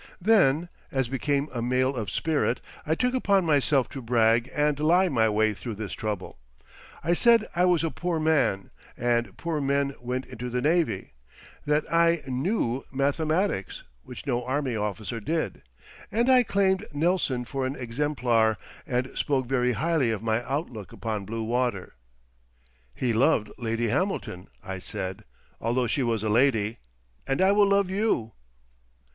Then, as became a male of spirit, I took upon myself to brag and lie my way through this trouble. I said I was a poor man, and poor men went into the navy; that I "knew" mathematics, which no army officer did; and I claimed Nelson for an exemplar, and spoke very highly of my outlook upon blue water. "He loved Lady Hamilton," I said, "although she was a lady—and I will love you."